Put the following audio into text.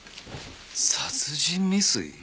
殺人未遂？